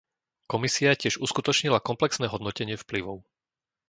Komisia tiež uskutočnila komplexné hodnotenie vplyvov.